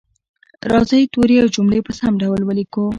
راځئ توري او جملې په سم ډول ولیکو